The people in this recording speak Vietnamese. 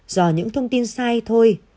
do những thông tin sai thôi